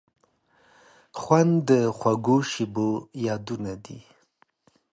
خوند د خوږو شیبو یادونه دي.